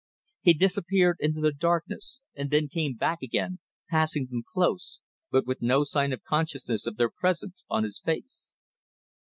He disappeared in the darkness and then came back again, passing them close, but with no sign of consciousness of their presence on his face.